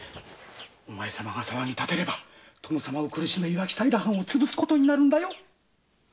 おまえ様が騒ぎ立てれば殿様を苦しめ磐城平藩を潰すことになるんだよ。